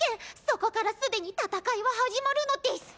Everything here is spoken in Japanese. そこから既に戦いは始まるのデス！